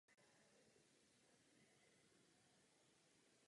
Na jeho výrobě se podílelo několik společností.